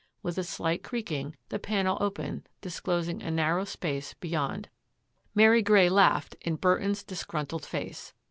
With a slight creaking, the panel opened, disclosing a narrow space beyond. Mary Grey laughed in Burton's disgruntled face.